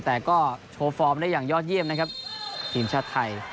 แต่ก็โชว์ฟอร์มได้อย่างยอดเยี่ยมนะครับทีมชาติไทย